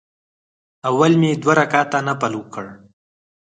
اول مې دوه رکعته نفل وکړ.